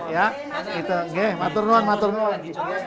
ya gitu oke maturnuan maturnuan